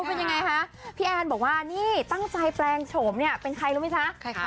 เป็นยังไงคะพี่แอนบอกว่าตั้งใจแปลงโฉมเป็นใครรู้มั้ยคะ